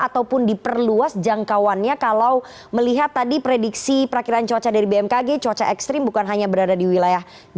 ataupun diperluas jangkauannya kalau melihat tadi prediksi perakhiran cuaca dari bmkg cuaca ekstrim bukan hanya berada di wilayah